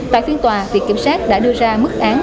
tại phiên tòa viện kiểm sát đã đưa ra mức án